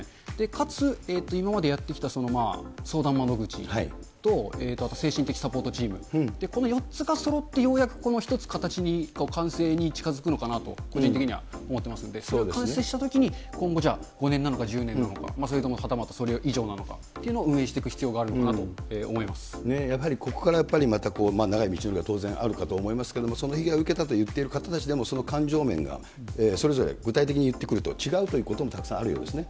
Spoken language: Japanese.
かつ、今までやってきた相談窓口と精神的サポートチーム、この４つがそろって、ようやくこの一つ、形に完成に近づくのかなと、個人的には思ってますので、それが完成したときに今後、じゃあ、５年なのか、１０年なのか、それともはたまたそれ以上なのかというのを運営していく必要があやはり、ここからやっぱりまた長い道のりが当然あるかと思いますけれども、その被害を受けたと言っている方たちでも、その感情面がそれぞれ具体的にいってくると違うということもたくさんあるようですね。